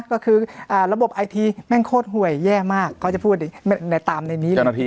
ก็คือระบบไอทีแม่งโคตรหวยแย่มากเขาจะพูดในตามในนี้เลย